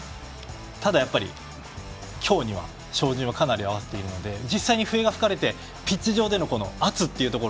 ただ今日に照準はかなり合わせているので実際、笛が吹かれてピッチ上での圧を。